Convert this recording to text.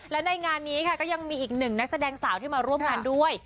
และในงานนี้ค่ะก็ยังมีอีกหนึ่งนักแสดงสาวที่มาร่วมงานด้วย